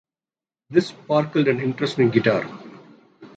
This sparked an interest in guitar.